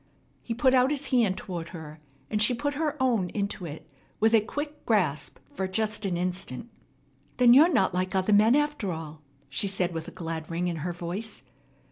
He put out his hand toward her, and she put her own into it with a quick grasp for just an instant. "Then you're not like other men, after all," she said with a glad ring in her voice.